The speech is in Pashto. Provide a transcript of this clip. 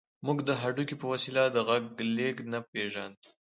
موږ د هډوکي په وسيله د غږ لېږد نه پېژاند.